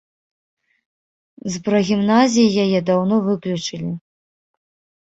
З прагімназіі яе даўно выключылі.